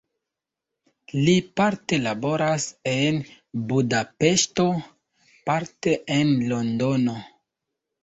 Li parte laboras en Budapeŝto, parte en Londono.